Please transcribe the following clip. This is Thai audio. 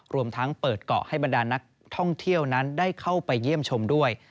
รวมทั้งเปิดเกาะให้บรรดานักท่องเที่ยวนั้นได้เข้าไปเยี่ยมชมด้วย